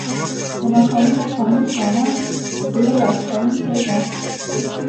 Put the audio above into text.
د ماښامونو خاموش رڼا زړه راښکونکې ده